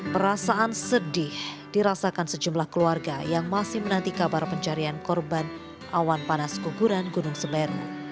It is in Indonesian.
perasaan sedih dirasakan sejumlah keluarga yang masih menanti kabar pencarian korban awan panas guguran gunung semeru